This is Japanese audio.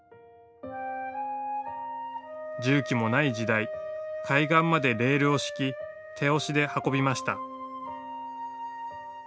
重機もない時代、海岸までレールを敷き手押しで運びました。